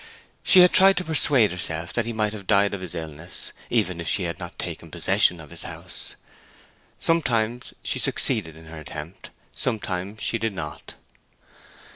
She had tried to persuade herself that he might have died of his illness, even if she had not taken possession of his house. Sometimes she succeeded in her attempt; sometimes she did not.